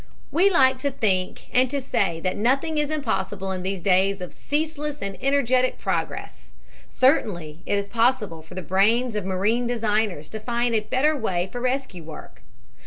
We like to think and to say that nothing is impossible in these days of ceaseless and energetic progress. Certainly it is possible for the brains of marine designers to find a better way for rescue work.